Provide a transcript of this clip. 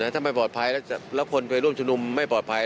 ถ้าไม่ปลอดภัยแล้วคนไปร่วมชุมนุมไม่ปลอดภัย